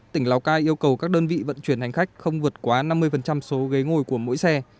tỉnh lào cai yêu cầu các đơn vị vận chuyển hành khách không vượt quá năm mươi số ghế ngồi của mỗi xe